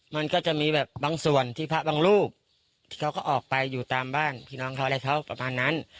มันก็จะมีแบบบางส่วนที่พระบางรูปเขาก็ออกไปอยู่ตามบ้านพี่น้องเขาอะไรเขาประมาณนั้น